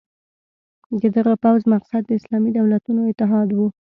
د دغه پوځ مقصد د اسلامي دولتونو اتحاد وو.